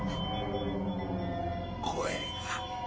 声が。